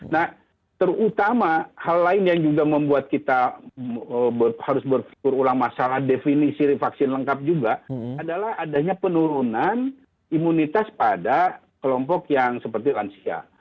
nah terutama hal lain yang juga membuat kita harus berpikir ulang masalah definisi vaksin lengkap juga adalah adanya penurunan imunitas pada kelompok yang seperti lansia